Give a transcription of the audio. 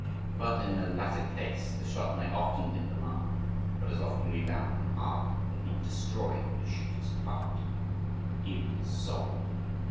But, in the latter case, the shot may often hit the mark, but as often rebound and harden, if not destroy, the shooter's heart even his soul.